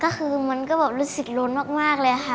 ก็คือมันก็แบบรู้สึกล้นมากเลยค่ะ